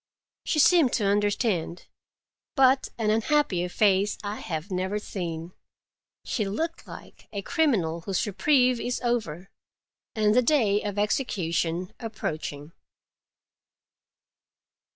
She seemed to understand, but an unhappier face I have never seen. She looked like a criminal whose reprieve is over, and the day of execution approaching.